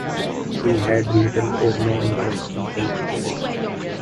He had little or no interest in politics.